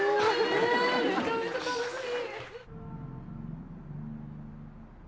めちゃめちゃ楽しい！